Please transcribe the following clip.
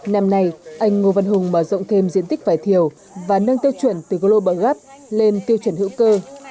năm nay anh ngô văn hùng mở rộng thêm diện tích vải thiều và nâng tiêu chuẩn từ global gap lên tiêu chuẩn hữu cơ